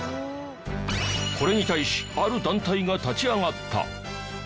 これに対しある団体が立ち上がった！